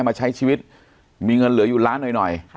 มาใช้ชีวิตมีเงินเหลืออยู่ร้านหน่อยหน่อยค่ะ